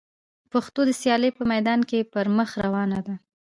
پښتو د سیالۍ په میدان کي پر مخ روانه ده.